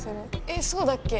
えっそうだっけ？